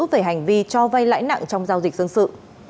về hành vi cho vay lãi nặng trong giao dịch dân sự